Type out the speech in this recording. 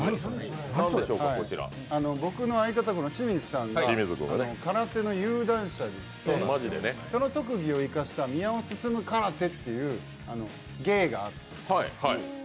僕の相方、清水さんが空手の有段者でして、その特技を生かした宮尾すすむ空手という芸があるんです。